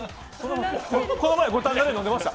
この前、五反田で飲んでました。